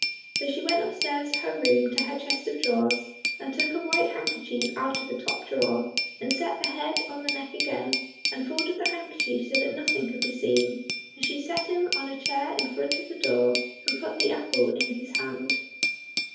So she went upstairs to her room to her chest of drawers, and took a white handkerchief out of the top drawer, and set the head on the neck again, and folded the handkerchief so that nothing could be seen, and she set him on a chair in front of the door, and put the apple in his hand.